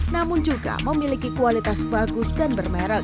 namun juga memiliki kualitas bagus dan bermerek